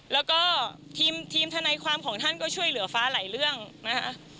แล้วก็ทีมทนายความของท่านก็ช่วยเหลือฟ้าหลายเรื่องนะคะ